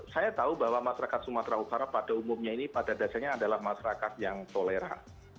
saya tahu bahwa masyarakat sumatera utara pada umumnya ini pada dasarnya adalah masyarakat yang toleran